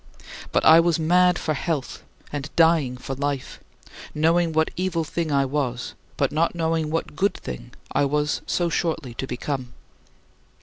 But I was mad for health, and dying for life; knowing what evil thing I was, but not knowing what good thing I was so shortly to become.